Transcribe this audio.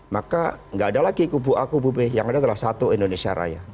maka nggak ada lagi kubu a kubu b yang ada adalah satu indonesia raya